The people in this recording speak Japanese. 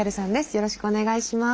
よろしくお願いします。